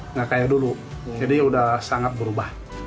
nggak kayak dulu jadi sudah sangat berubah